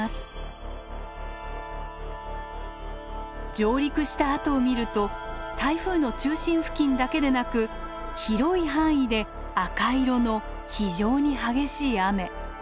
上陸したあとを見ると台風の中心付近だけでなく広い範囲で赤色の非常に激しい雨。